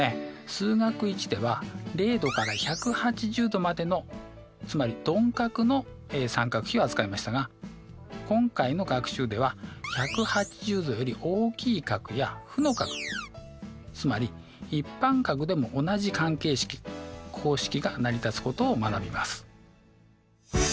数学Ⅰでは０°から１８０°までのつまり鈍角の三角比を扱いましたが今回の学習では１８０°より大きい角や負の角つまり一般角でも同じ関係式公式が成り立つことを学びます。